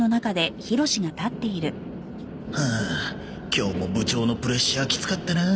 今日も部長のプレッシャーきつかったな